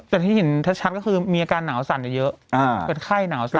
แต่ที่เห็นชัดก็คือมีอาการหนาวสั่นเยอะเป็นไข้หนาวใช่ไหม